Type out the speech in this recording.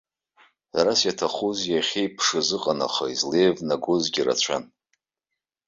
Ҳәарас иаҭахузеи, иахьеиԥшыз ыҟан, аха излеивнагозгьы рацәан.